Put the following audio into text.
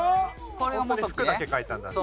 ホントに服だけ描いたんだね。